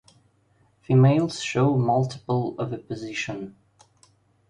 Females show multiple oviposition.